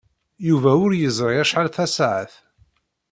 Yuba ur yeẓri acḥal tasaɛet.